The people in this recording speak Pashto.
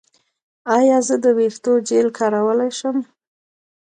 ایا زه د ویښتو جیل کارولی شم؟